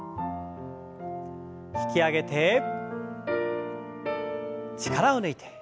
引き上げて力を抜いて。